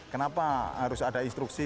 kenapa harus ada instruksi